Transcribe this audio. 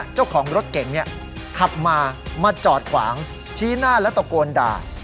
เจ้าของรถเก่งขับมามาจอดขวางชี้หน้าแล้วตะโกนด่า